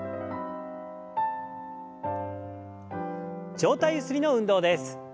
上体ゆすりの運動です。